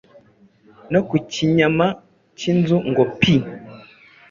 no ku kinyama cy’inzu ngo pi !